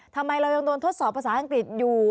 ทำไมเรายังโดนทดสอบภาษาอังกฤษอยู่